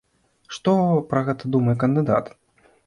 Што пра гэта думае кандыдат?